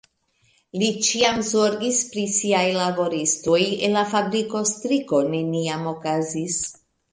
Li ĉiam zorgis pri siaj laboristoj, en la fabriko striko neniam okazis.